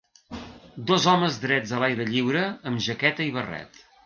Dos homes drets a l'aire lliure amb jaqueta i barret.